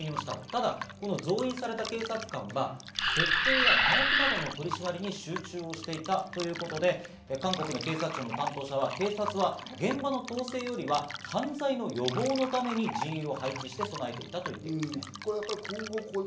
ただ増員された警察官は窃盗や麻薬などの取り締まりに集中していたということで、韓国の警察庁の担当者は警察は現場の統制よりは犯罪の予防のために人員を配置して備えていたということです。